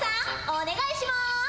お願いします。